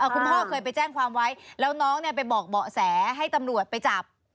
คุณพ่อเคยไปแจ้งความไว้แล้วน้องไปบอกเบาะแสให้ตำรวจไปจับ